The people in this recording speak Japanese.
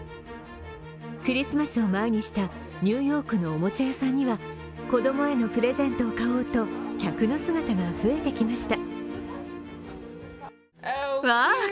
クリスマスを前にしたニューヨークのおもちゃ屋さんには、子供へのプレゼントを買おうと客の姿が増えてきました。